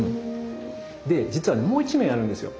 で実はもう１面あるんですよ。